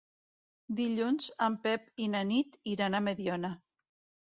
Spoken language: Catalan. Dilluns en Pep i na Nit iran a Mediona.